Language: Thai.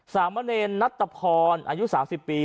สามะเนรนนัตตะพรอายุ๓๐ปี